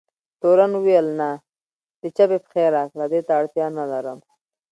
تورن وویل: نه، د چپې پښې راکړه، دې ته اړتیا نه لرم.